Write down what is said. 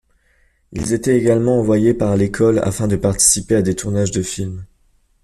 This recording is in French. Ils étaient également envoyé par l'école afin de participer à des tournages de films.